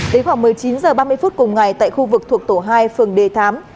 đến khoảng một mươi chín h ba mươi phút cùng ngày tại khu vực thuộc tổ hai phường đề thám